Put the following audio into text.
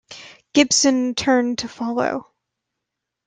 Gibson turned to follow.